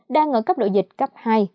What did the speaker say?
đang ở cấp độ dịch cấp hai